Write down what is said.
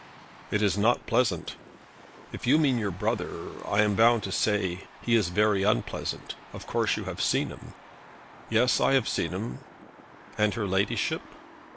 "It is not pleasant." "If you mean your brother, I am bound to say, that he is very unpleasant. Of course you have seen him?" "Yes; I have seen him." "And her ladyship?"